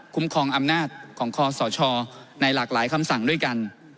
ครองอำนาจของคอสชในหลากหลายคำสั่งด้วยกัน